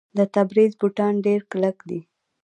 د تبریز بوټان ډیر کلک دي.